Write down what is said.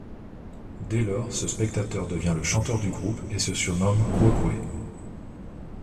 Dès lors, ce spectateur devient le chanteur du groupe, et se surnomme Quoque.